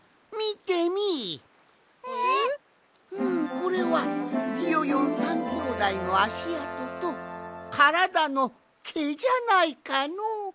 これはビヨヨン３きょうだいのあしあととからだのけじゃないかのう。